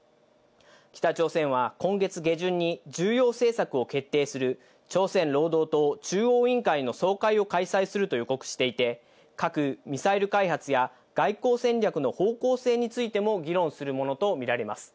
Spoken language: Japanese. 北朝鮮は今月下旬に、重要政策を決定する朝鮮労働党中央委員会の総会を開催すると予告していて、核・ミサイル開発や外交戦略の方向性についても議論するものと見られます。